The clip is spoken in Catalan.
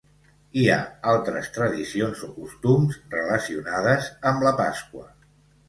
Hi ha altres tradicions o costums relacionades amb la Pasqua.